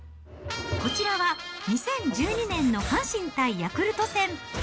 こちらは２０１２年の阪神対ヤクルト戦。